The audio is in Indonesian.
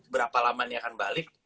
berapa lamanya akan balik